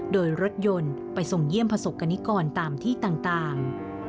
โดยรถยนต์ไปส่งเยี่ยมประสบกรณิกรตามที่ต่าง